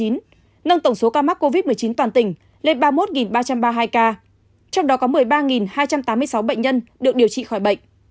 nâng tổng số ca mắc covid một mươi chín toàn tỉnh lên ba mươi một ba trăm ba mươi hai ca trong đó có một mươi ba hai trăm tám mươi sáu bệnh nhân được điều trị khỏi bệnh